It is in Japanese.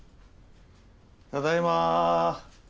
ただいま。